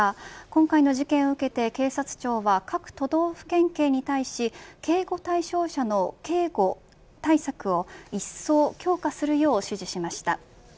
今回の事件を受けて警察庁は各都道府県警に対し警護対象者の警護対策を、いっそう強化するよう指示しました。